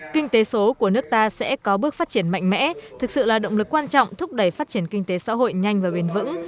kinh tế số của nước ta sẽ có bước phát triển mạnh mẽ thực sự là động lực quan trọng thúc đẩy phát triển kinh tế xã hội nhanh và bền vững